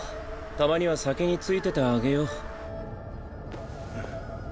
たまには先に着いててあげよう。